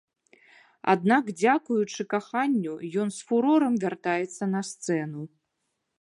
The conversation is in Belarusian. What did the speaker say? Аднак дзякуючы каханню ён з фурорам вяртаецца на сцэну.